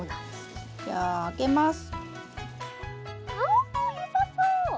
およさそう！